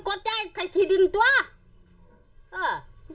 คุ้มแล้วมันกดยายใส่ชีดินตัว